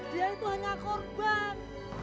dia itu hanya korban